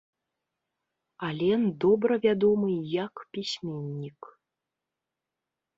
Ален добра вядомы і як пісьменнік.